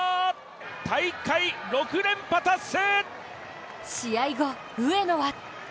大会６連覇達成！